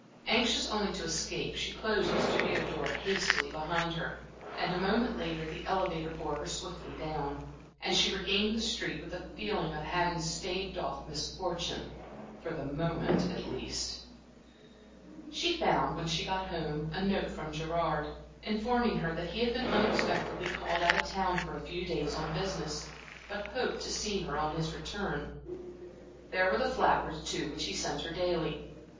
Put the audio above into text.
Anxious only to escape, she closed the studio door hastily behind her, and a moment later the elevator bore her swiftly down, and she regained the street, with the feeling of having staved off misfortune, for the moment at least. She found, when she got home, a note from Gerard, informing her that he had been unexpectedly called out of town for a few days on business, but hoped to see her on his return. There were the flowers, too, which he sent her daily.